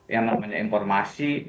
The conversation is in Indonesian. yang namanya informasi